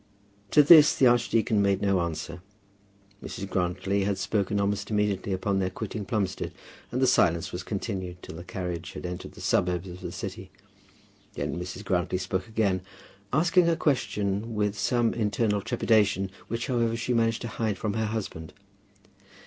To this the archdeacon made no answer. Mrs. Grantly had spoken almost immediately upon their quitting Plumstead, and the silence was continued till the carriage had entered the suburbs of the city. Then Mrs. Grantly spoke again, asking a question, with some internal trepidation, which, however, she managed to hide from her husband.